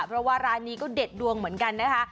เพราะว่าร้านนี้ก็เด็ดดวงเหมือนกันนะคะ